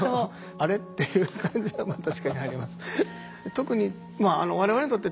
「あれ？」っていう感じは確かにあります。